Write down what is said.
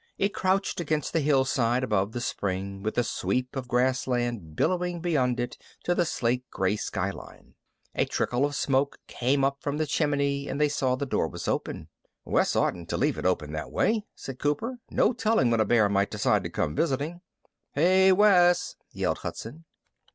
It crouched against the hillside above the spring, with the sweep of grassland billowing beyond it to the slate gray skyline. A trickle of smoke came up from the chimney and they saw the door was open. "Wes oughtn't to leave it open that way," said Cooper. "No telling when a bear might decide to come visiting." "Hey, Wes!" yelled Hudson.